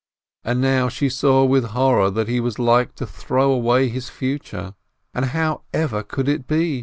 And now she saw with horror that he was like to throw away his future. But how ever could it be?